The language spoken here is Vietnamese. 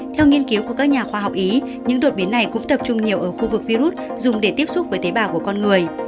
theo nghiên cứu của các nhà khoa học ý những đột biến này cũng tập trung nhiều ở khu vực virus dùng để tiếp xúc với tế bào của con người